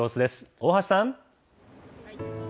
大橋さん。